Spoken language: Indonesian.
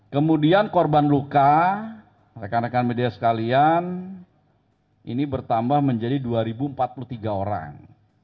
kemudian korban luka rekan rekan media sekalian ini bertambah menjadi dua empat puluh tiga orang